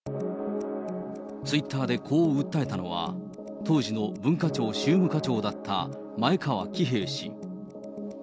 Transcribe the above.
ツイッターでこう訴えたのは、当時の文化庁宗務課長だった前川喜平氏。